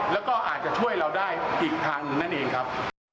แล้วก็อาจจะช่วยเราได้อีกทางหนึ่งนั่นเองครับ